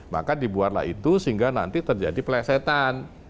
maka dibuatlah itu sehingga nanti terjadi pelesetan